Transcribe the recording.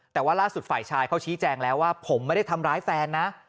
แต่ว่าล่าสุดฝ่ายชายเขาชี้แจงแล้วว่าผมไม่ได้ทำร้ายแฟนนะ